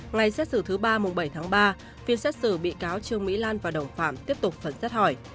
ngày xét xử thứ ba bảy tháng ba phiên xét xử bị cáo trương mỹ lan và đồng phạm tiếp tục phần xét hỏi